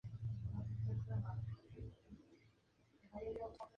El grupo de Boedo recibió con gran entusiasmo los versos.